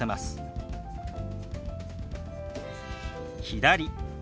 「左」。